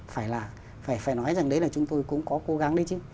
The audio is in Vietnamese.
phải là phải nói rằng đấy là chúng tôi cũng có cố gắng đấy chứ